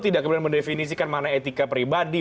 tidak kemudian mendefinisikan mana etika pribadi